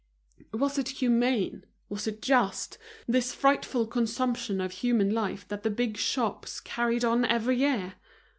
Was it humane, was it just, this frightful consumption of human life that the big shops carried on every year?